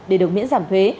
để được miễn giảm thuế